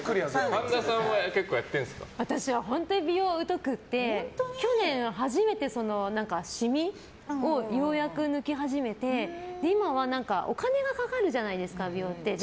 神田さんは結構私は美容疎くって去年、初めてシミをようやく抜き始めて今はお金がかかるじゃないですか美容って。